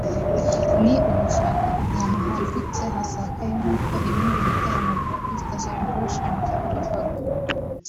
ni ugushaka ahantu hagutse hasakaye nk'uko ibindi bitaramo bya Easter Celebration byakorwaga